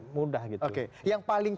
mudah yang paling